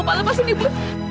gak tau apa apa sih ibu